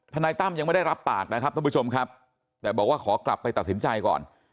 นายตั้มยังไม่ได้รับปากนะครับท่านผู้ชมครับแต่บอกว่าขอกลับไปตัดสินใจก่อน